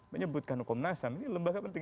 menyebutkan hukum nasam ini lembaga penting